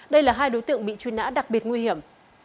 đây là hai đối tượng bị truy nã đặc biệt nguy hiểm